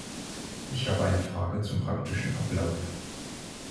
Ich habe eine Frage zum praktischen Ablauf.